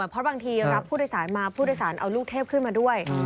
เพราะบางทีรับผู้โดยสารมาผู้โดยสารเอาลูกเทพขึ้นมาด้วย